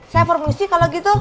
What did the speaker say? saya formusi kalau gitu